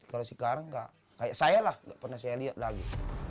kalau sekarang kayak saya lah nggak pernah saya lihat lagi